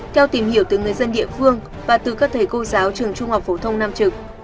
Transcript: theo tìm hiểu từ người dân địa phương và từ các thầy cô giáo trường trung học phổ thông nam trực